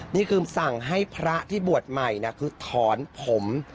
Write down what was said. นี่คือสั่งให้พระที่บวชใหม่นะคือถอนผม